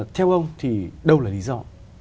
theo ông thì đâu là lý do